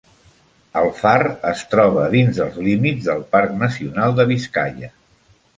El far es troba dins dels límits del parc nacional de Biscaia.